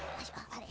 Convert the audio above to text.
あれ？